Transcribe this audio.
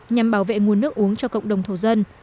nhằm bảo vệ nguồn nước uống cho cộng đồng thổ dân